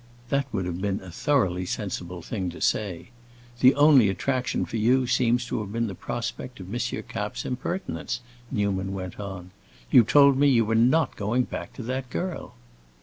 That would have been a thoroughly sensible thing to say. The only attraction for you seems to have been the prospect of M. Kapp's impertinence," Newman went on. "You told me you were not going back for that girl."